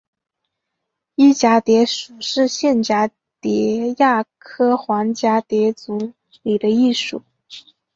漪蛱蝶属是线蛱蝶亚科环蛱蝶族里的一属。